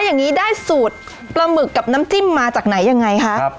อย่างนี้ได้สูตรปลาหมึกกับน้ำจิ้มมาจากไหนยังไงคะ